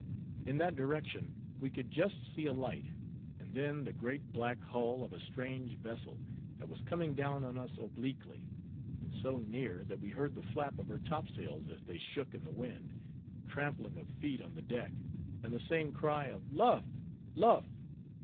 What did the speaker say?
In that direction, we could just see a light, and then, the great black hull of a strange vessel, that was coming down on us obliquely; and so near, that we heard the flap of her topsails as they shook in the wind, the trampling of feet on the deck, and the same cry of _Luff! Luff!